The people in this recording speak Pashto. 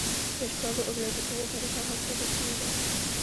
د شپږو اورلګیتونو طریقه هم ښودل شوې ده.